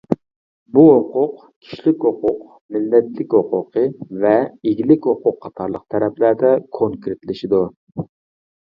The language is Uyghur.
بۇ ھوقۇق كىشىلىك ھوقۇق، مىللەتلىك ھوقۇقى ۋە ئىگىلىك ھوقۇق قاتارلىق تەرەپلەردە كونكرېتلىشىدۇ.